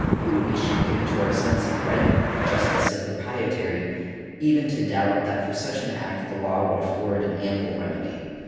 It would be shocking to our sense of right, justice and propriety even to doubt that for such an act the law would afford an ample remedy.